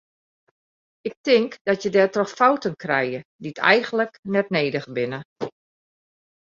Ik tink dat je dêrtroch fouten krije dy eigenlik net nedich binne.